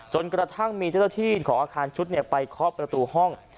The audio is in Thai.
จนกระทั่งมีเจ้าหน้าที่ของอาคารชุดไปเคาะประตูห้อง